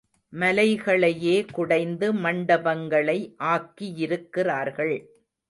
மலைகளையே குடைந்து மண்டபங்களை ஆக்கியிருக்கிறார்கள்.